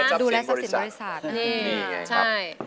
ใช่มั้ยครับ